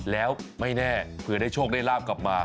แล้วไม่แน่เผื่อได้โชคได้ลาบกลับมา